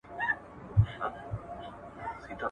د باطل پر وړاندي سخته مبارزه ترسره سوه.